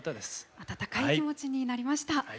温かい気持ちになりました。